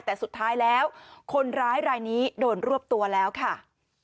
แต่สุดท้ายแล้วคนร้ายรายนี้โดนรวบตัวแล้วค่ะ